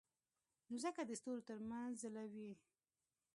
مځکه د ستورو ترمنځ ځلوي.